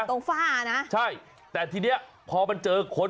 ฝ้านะใช่แต่ทีนี้พอมันเจอคน